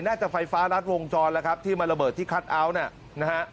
น่าจะไฟฟ้ารัดวงจรแล้วครับที่มันระเบิดที่คัทเอาท์นะฮะ